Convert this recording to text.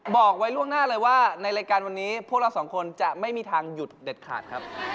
บอกไว้ล่วงหน้าเลยว่าในรายการวันนี้พวกเราสองคนจะไม่มีทางหยุดเด็ดขาดครับ